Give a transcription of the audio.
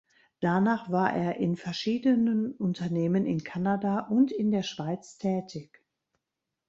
Danach war er in verschiedenen Unternehmen in Kanada und in der Schweiz tätig.